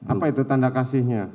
apa itu tanda kasihnya